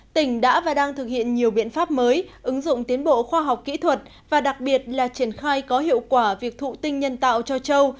tỉnh đã và đang thực hiện nhiều biện pháp mới ứng dụng tiến bộ khoa học kỹ thuật và đặc biệt là triển khai có hiệu quả việc thụ tinh nhân tạo cho châu